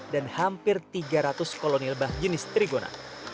dan hampir tiga ratus koloni lebah jenis trigona